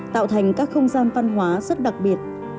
tạo thành các không gian văn hóa rất đặc biệt